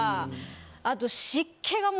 あと。